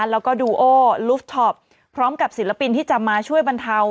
แล้วก็ดูโอลูฟท็อปพร้อมกับศิลปินที่จะมาช่วยบรรเทา